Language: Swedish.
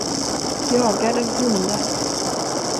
Jagad av hundar.